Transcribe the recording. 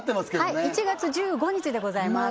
はい１月１５日でございます